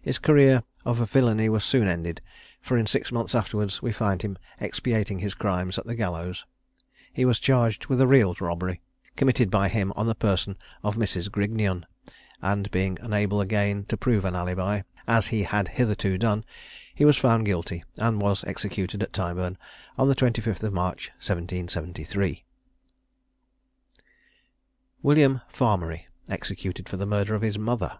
His career of villany was soon ended; for in six months afterwards we find him expiating his crimes at the gallows. He was charged with a real robbery, committed by him on the person of Mrs. Grignion, and being unable again to prove an alibi, as he had hitherto done, he was found guilty, and was executed at Tyburn on the 25th of March, 1773. WILLIAM FARMERY. EXECUTED FOR THE MURDER OF HIS MOTHER.